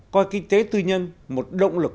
coi kinh tế tư nhân một động lực